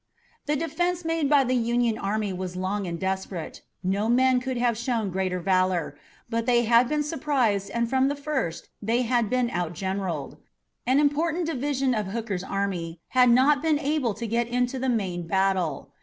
The defense made by the Union army was long and desperate. No men could have shown greater valor, but they had been surprised and from the first they had been outgeneralled. An important division of Hooker's army had not been able to get into the main battle.